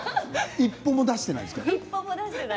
一歩も出していないです。